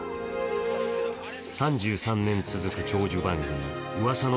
３３年続く長寿番組「噂の！